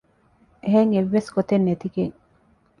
އެހެން އެއްވެސް ގޮތެއް ނެތިގެން